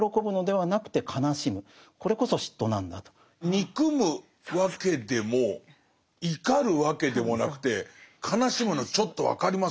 憎むわけでも怒るわけでもなくて悲しむのちょっと分かります。